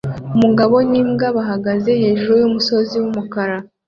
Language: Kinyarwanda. Umugabo n'imbwa bahagaze hejuru yumusozi wumukara